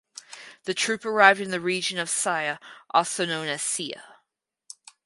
The troop arrived in the region of Sia (also known as Cia).